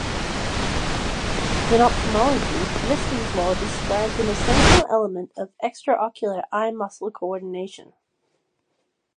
In ophthalmology, Listing's law describes an essential element of extraocular eye muscle coordination.